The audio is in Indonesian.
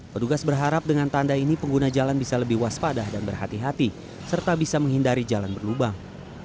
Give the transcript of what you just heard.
petugas berharap dengan tanda ini pengguna jalan bisa lebih waspada dan berhati hati serta bisa menghindari jalan berlubang